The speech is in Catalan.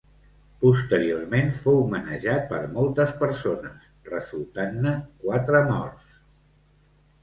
Posteriorment fou manejat per moltes persones, resultant-ne quatre morts.